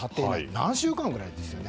何週間ぐらいですよね。